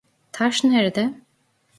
Taş nerede?